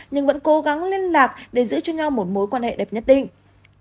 nhưng vẫn cố gắng liên lạc để giữ cho nhau một mối quan hệ đẹp nhất định